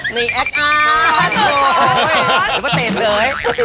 หรือว่าเต้นเลย